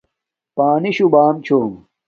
پانی شوہ بام چھوم